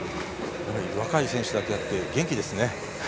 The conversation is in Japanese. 若い選手だけあって元気ですね。